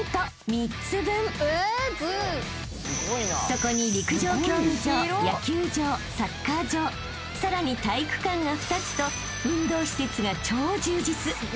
［そこに陸上競技場野球場サッカー場さらに体育館が２つと］